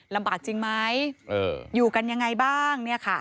ลำบากจริงไหมอยู่กันยังไงบ้าง